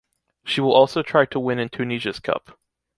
She will also try to win in Tunisia’s cup.